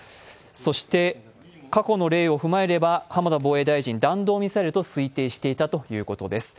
そして過去の例を踏まえれば浜田防衛大臣、弾道ミサイルと推定していたということです。